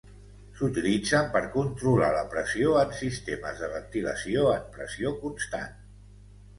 S'utilitzen per controlar la pressió en sistemes de ventilació en pressió constant.